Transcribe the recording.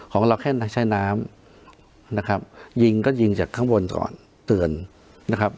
ของเราแค่ใช้น้ำนะครับยิงก็ยิงจากข้างบนก่อนเตือนนะครับ